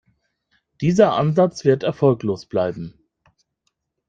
Dieser Ansatz wird erfolglos bleiben.